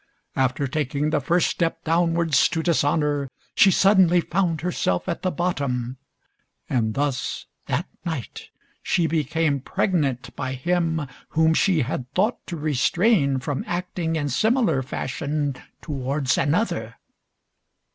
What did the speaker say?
After taking the first step downwards to dishonour, she suddenly found herself at the bottom, and thus that night she became pregnant by him whom she had thought to restrain from acting in similar fashion towards another.